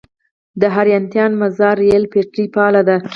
د حیرتان - مزار ریل پټلۍ فعاله ده؟